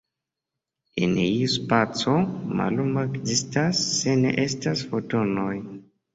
En iu spaco, mallumo ekzistas se ne estas Fotonoj.